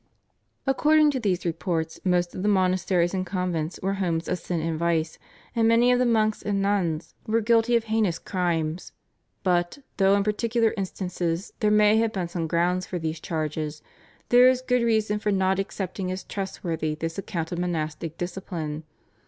According to these reports most of the monasteries and convents were homes of sin and vice, and many of the monks and nuns were guilty of heinous crimes, but, though in particular instances there may have been some grounds for these charges, there is good reason for not accepting as trustworthy this account of monastic discipline.